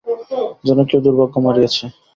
যেন কেউ দুর্ভাগ্য মাড়িয়েছে।